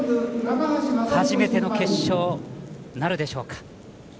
初めての決勝なるでしょうか。